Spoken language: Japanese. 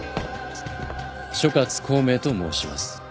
諸葛孔明と申します。